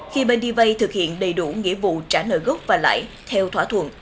khi bên đi vay thực hiện đầy đủ nghĩa vụ trả nợ gốc và lãi theo thỏa thuận